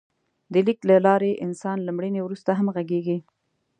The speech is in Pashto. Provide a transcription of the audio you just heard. د لیک له لارې انسان له مړینې وروسته هم غږېږي.